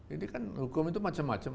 jadi kan hukum itu macam macam